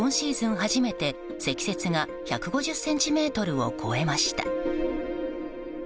初めて積雪が１５０ｃｍを超えました。